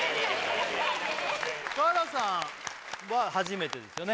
福原さんは初めてですよね？